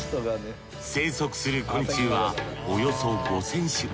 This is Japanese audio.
生息する昆虫はおよそ５，０００種。